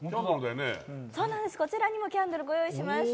そうなんです、こちらにもキャンドルご用意しました。